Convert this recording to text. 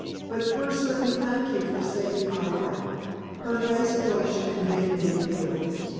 But first let me thank you for saving my life." Her face flushed, and then grew pale.